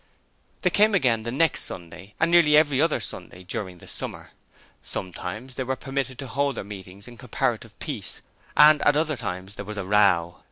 They came again the next Sunday and nearly every other Sunday during the summer: sometimes they were permitted to hold their meeting in comparative peace and at other times there was a row.